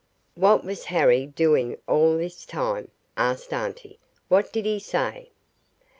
"What was Harry doing all this time?" asked auntie. "What did he say?"